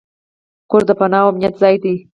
کور د پناه او امنیت ځای دی.